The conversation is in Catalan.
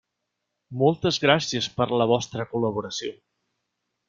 Moltes gràcies per la vostra col·laboració.